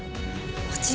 もちろん。